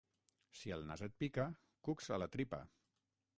Si el nas et pica, cucs a la tripa.